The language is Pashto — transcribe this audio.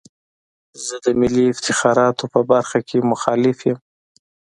زه د ملي افتخاراتو په برخه کې مخالف یم.